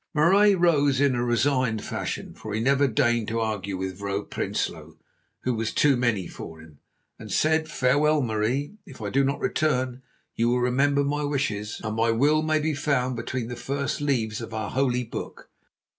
Marais rose in a resigned fashion, for he never deigned to argue with Vrouw Prinsloo, who was too many for him, and said: "Farewell, Marie. If I do not return, you will remember my wishes, and my will may be found between the first leaves of our Holy Book.